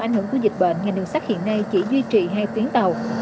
do ảnh hưởng của dịch bệnh ngành đường sát hiện nay chỉ duy trì hai tuyến tàu